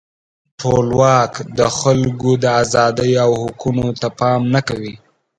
ټولواک د خلکو د آزادۍ او حقوقو ته پام نه کوي.